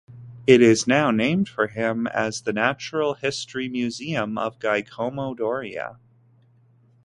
It is now named for him as the Natural History Museum of Giacomo Doria.